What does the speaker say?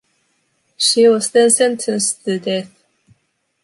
She was then sentenced to death.